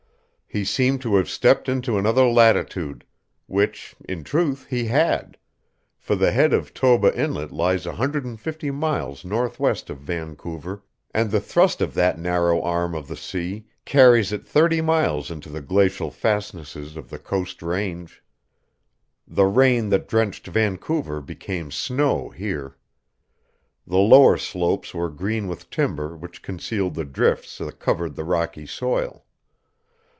He seemed to have stepped into another latitude, which in truth he had, for the head of Toba Inlet lies a hundred and fifty miles northwest of Vancouver, and the thrust of that narrow arm of the sea carries it thirty miles into the glacial fastnesses of the Coast Range. The rain that drenched Vancouver became snow here. The lower slopes were green with timber which concealed the drifts that covered the rocky soil.